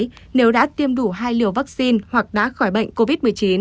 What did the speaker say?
chưa đủ hai liều vaccine hoặc đã khỏi bệnh covid một mươi chín